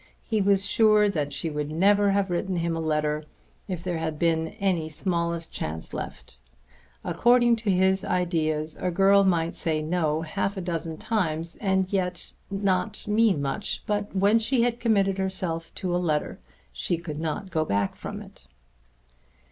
He was sure that she would never have written him a letter if there had been any smallest chance left. According to his ideas a girl might say "no" half a dozen times and yet not mean much; but when she had committed herself to a letter she could not go back from it.